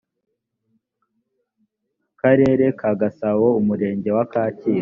karere ka gasabo umurenge wa kacyiru